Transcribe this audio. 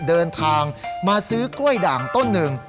เดินทางมาซื้อกล้วยด่างต้นหนึ่ง